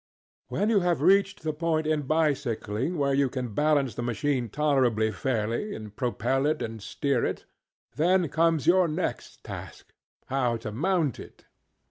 When you have reached the point in bicycling where you can balance the machine tolerably fairly and propel it and steer it, then comes your next taskŌĆöhow to mount it.